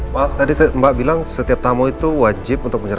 pak tadi mbak bilang setiap tamu itu wajib untuk mencari